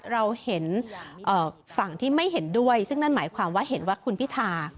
เราเห็นฝั่งที่ไม่เห็นด้วยซึ่งนั่นหมายความว่าเห็นว่าคุณพิธา